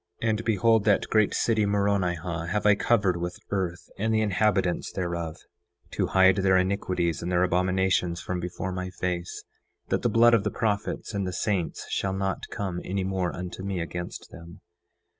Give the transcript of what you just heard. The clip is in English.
9:5 And behold, that great city Moronihah have I covered with earth, and the inhabitants thereof, to hide their iniquities and their abominations from before my face, that the blood of the prophets and the saints shall not come any more unto me against them.